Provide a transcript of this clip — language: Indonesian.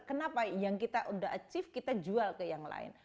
kenapa yang kita udah achieve kita jual ke yang lain